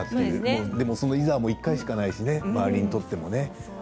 でもそのいざも１回しかないしね周りにとっても。